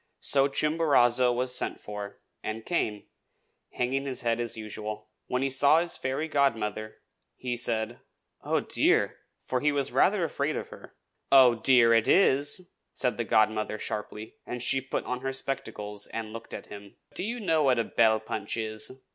So Chimborazo was sent for, and came, hanging his head as usual. When he saw his fairy godmother, he said, "Oh, dear!" for he was rather afraid of her. "'Oh, dear!' it is!" said the godmother sharply; and she put on her spectacles and looked at him. "Do you know what a bell punch is?"